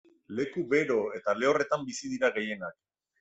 Leku bero eta lehorretan bizi dira gehienak.